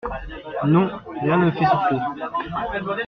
Non, rien ne me fait souffler.